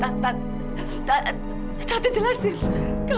betul tadi kamu bilang